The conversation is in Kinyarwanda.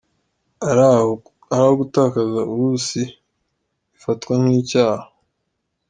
ari aho gutakaza ubusi bifatwa nk’icyaha.